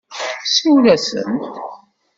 Siwel-asent.